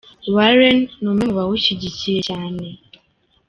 Warren ni umwe mu bawushyigikiye cyane.